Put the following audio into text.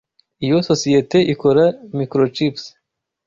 Iyo sosiyete ikora microchips.